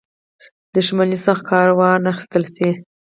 دښمنۍ څخه کار وانه خیستل شي.